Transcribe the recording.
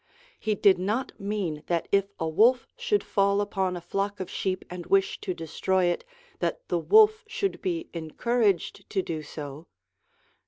He did not mean that if a wolf should fall upon a flock of sheep and wish to destroy it, that the wolf should be encouraged to do so.